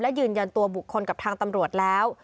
และยืนยันตัวบุคคลกับทางตำรวจแล้ว